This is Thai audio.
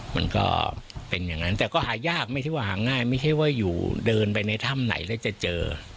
มันก็เป็นอย่างนั้นแต่ก็หายากไม่ใช่ว่าหาง่ายไม่ใช่ว่าอยู่เดินไปในถ้ำไหนแล้วจะเจอ